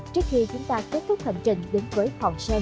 trước khi chúng ta kết thúc hành trình đến với hòn sơn